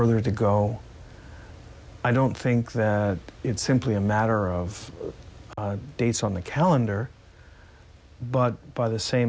เราอยากท่านไทยจะเชื่อมตามความเชื่อของการศึกษา